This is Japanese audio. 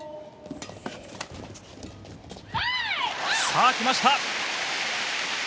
さあ、来ました。